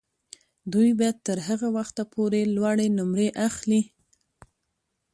دوی به تر هغه وخته پورې لوړې نمرې اخلي.